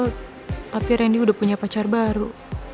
tapi randy udah punya pacar baru